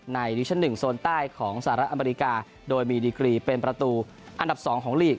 ดิวิชั่น๑โซนใต้ของสหรัฐอเมริกาโดยมีดีกรีเป็นประตูอันดับ๒ของลีก